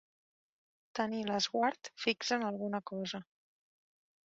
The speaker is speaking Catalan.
Tenir l'esguard fix en alguna cosa.